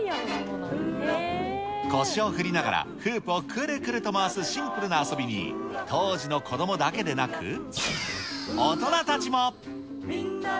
腰を振りながら、フープをくるくると回すシンプルな遊びに、当時の子どもだけでなく、大人たちも。